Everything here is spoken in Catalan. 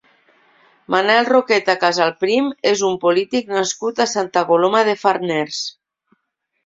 Manel Roqueta Casalprim és un polític nascut a Santa Coloma de Farners.